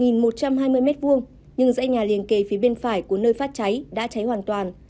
nhưng dãy nhà liền kề phía bên phải của nơi phát cháy đã cháy hoàn toàn